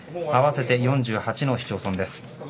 合わせて４８の市町村です。